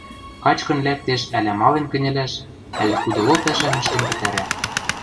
Качкын лӓктеш ӓль амален кӹньӹлӓш, ӓль кудыло пӓшӓм ӹштен пӹтӓрӓ